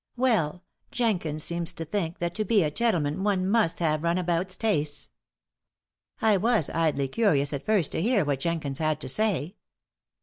Well, Jenkins seems to think that to be a gentleman one must have Runabout's tastes. I was idly curious at first to hear what Jenkins had to say.